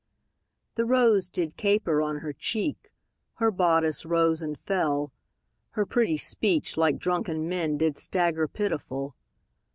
The rose did caper on her cheek, Her bodice rose and fell, Her pretty speech, like drunken men, Did stagger pitiful.